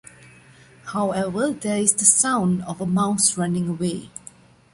However, there is the sound of a mouse running away.